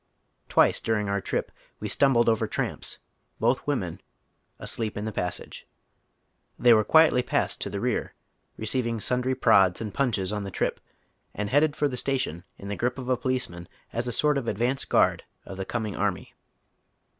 Twice during our trip we stumbled over tramps, both women, asleep in the passage. They wei'e quietly passed to the rear, receiving sundry prods and punches on the trip, and headed for the station in the grip of a policeman as a sort of advance guard of the coming oy Google 72 HOW THE OTlIEIt HALF LIVES. army.